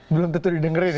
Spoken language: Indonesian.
belum tentu didengerin ya